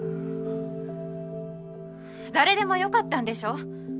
誰でも良かったんでしょ？